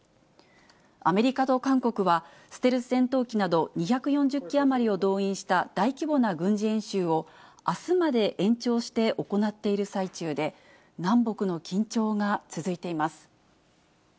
アメリカと韓国は、ステルス戦闘機など２４０機余りを動員した大規模な軍事演習を、あすまで延長して行っている最中で、南北の緊張が続いています。